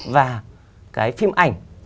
và cái phim ảnh